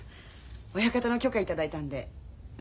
親方の許可頂いたんで私